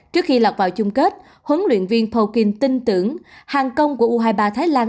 trước khi lọt vào chung kết huấn luyện viên poking tin tưởng hàng công của u hai mươi ba thái lan